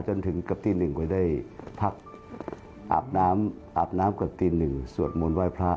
จนถึงกับตีหนึ่งก็ได้พักอาบน้ำกับตีหนึ่งสวดมนต์ไว้พระ